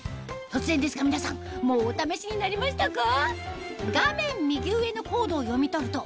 突然ですが皆さんもうお試しになりましたか？